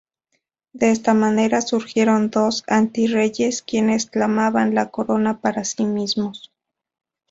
De esta manera surgieron dos anti-reyes quienes clamaban la corona para sí mismos.